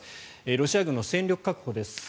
ロシア軍の戦力確保です。